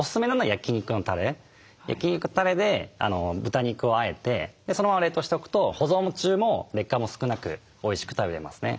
焼肉のたれで豚肉をあえてそのまま冷凍しておくと保存中も劣化も少なくおいしく食べれますね。